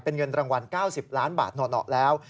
เป็นเงินรางวัล๙๐ล้านบาทหน่อแล้ว